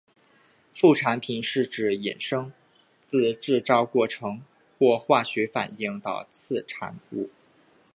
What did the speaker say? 副产品是指衍生自制造过程或化学反应的次产物。